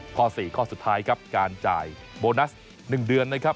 ข้อ๔ข้อสุดท้ายครับการจ่ายโบนัส๑เดือนนะครับ